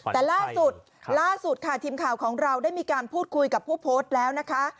แต่ล่าสุดล่าสุดค่ะทีมข่าวของเราได้มีการพูดคุยกับผู้โพสต์แล้วนะคะ